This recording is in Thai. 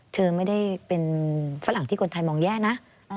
เธอไม่ได้เป็นฝรั่งที่คนไทยมองแย่นะ